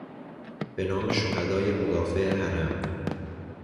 به نام شهدای مدافع حرم